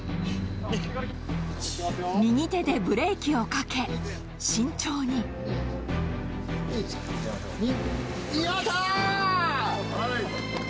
右手でブレーキをかけ、１、２、やったぁ！